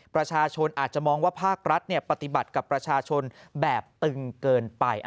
ประชาชนอาจจะมองว่าภาครัฐปฏิบัติกับประชาชนแบบตึงเกินไป